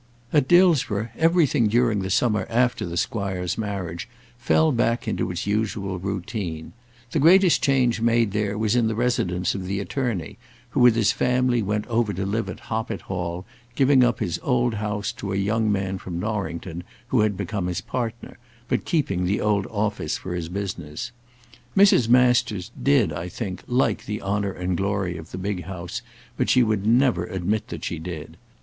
At Dillsborough everything during the summer after the Squire's marriage fell back into its usual routine. The greatest change made there was in the residence of the attorney, who with his family went over to live at Hoppet Hall, giving up his old house to a young man from Norrington, who had become his partner, but keeping the old office for his business. Mrs. Masters did, I think, like the honour and glory of the big house, but she would never admit that she did.